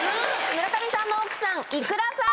村上さんの奥さん「いとくとら」さんです。